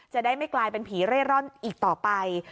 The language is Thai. จะได้ไม่กลายเป็นผีเร่ร่อนอีกต่อไป